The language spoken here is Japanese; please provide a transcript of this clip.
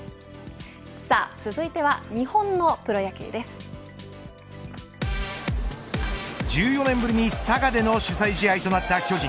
さあ続いては１４年ぶりに佐賀での主催試合となった巨人。